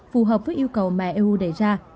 phù hợp với yêu cầu mà eu đề ra